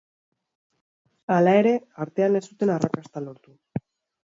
Hala ere, artean ez zuten arrakasta lortu.